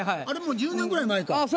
あれもう１０年ぐらい前か。